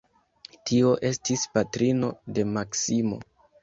Tio estis patrino de Maksimo.